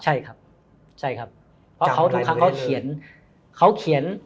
ใช่ครับเพราะทุกครั้งเขาเขียน